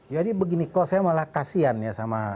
jadi begini kalau saya malah kasihan ya